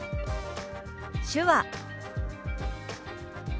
「手話」。